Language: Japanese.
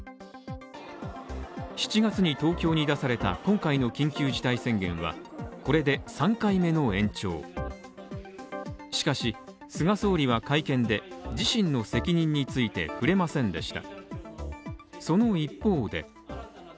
７月に東京に出された今回の緊急事態宣言はこれで３回目の延長しかし菅総理は会見で自身の責任について触れませんでした